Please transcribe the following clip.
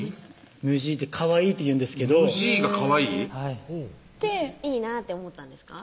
「むじい」ってかわいいっていうんですけど「むじい」がかわいいいいなと思ったんですか？